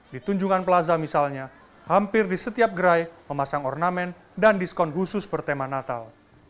di tunjungan plaza misalnya hampir di setiap gerai memasang ornamen dan diskon khusus bertema natal